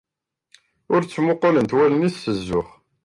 Ur ttmuqulent wallen-iw s zzux.